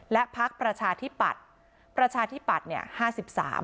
และพักประชาธิปัตย์ประชาธิปัตย์เนี่ยห้าสิบสาม